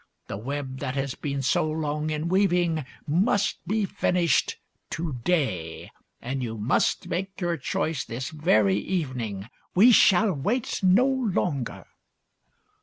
The web that has been so long in weaving must be finished to day ; and you must make your choice this very evening. We shall wait no longer."